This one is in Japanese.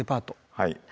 はい。